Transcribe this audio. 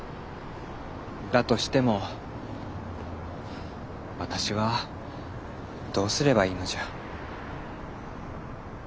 だとしても私はどうすればいいのじゃ。